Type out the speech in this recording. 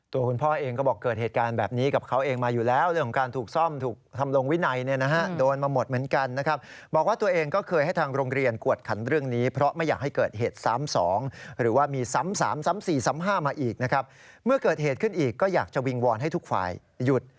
คุณพ่อเองก็บอกเกิดเหตุการณ์แบบนี้กับเขาเองมาอยู่แล้วเรื่องของการถูกซ่อมถูกทำลงวินัยเนี่ยนะฮะโดนมาหมดเหมือนกันนะครับบอกว่าตัวเองก็เคยให้ทางโรงเรียนกวดขันเรื่องนี้เพราะไม่อยากให้เกิดเหตุซ้ำสองหรือว่ามีซ้ำสามซ้ำสี่ซ้ำห้ามาอีกนะครับเมื่อเกิดเหตุขึ้นอีกก็อยากจะวิงวอนให้ทุกฝ่ายหยุด